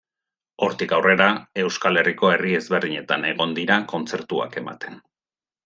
Hortik aurrera, Euskal Herriko herri ezberdinetan egon dira kontzertuak ematen.